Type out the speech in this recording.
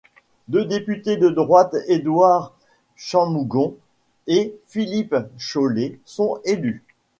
Deux députés de droite Édouard Chammougon et Philippe Chaulet sont élus.